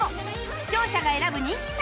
視聴者が選ぶ人気作品